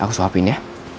aku suapin ya